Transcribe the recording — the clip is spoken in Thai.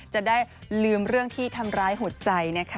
จะได้ลืมเรื่องที่ทำร้ายหัวใจนะคะ